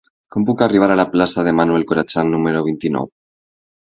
Com puc arribar a la plaça de Manuel Corachan número vint-i-nou?